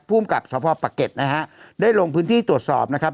ภูมิกับสพปะเก็ตนะฮะได้ลงพื้นที่ตรวจสอบนะครับ